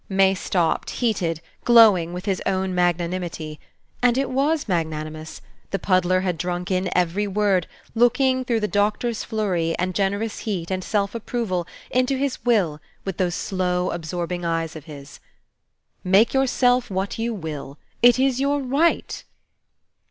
May stopped, heated, glowing with his own magnanimity. And it was magnanimous. The puddler had drunk in every word, looking through the Doctor's flurry, and generous heat, and self approval, into his will, with those slow, absorbing eyes of his. "Make yourself what you will. It is your right.